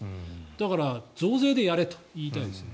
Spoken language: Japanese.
だから増税でやれといいたいですね。